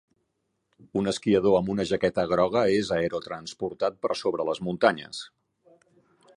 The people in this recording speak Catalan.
Un esquiador amb una jaqueta groga és aerotransportat per sobre les muntanyes.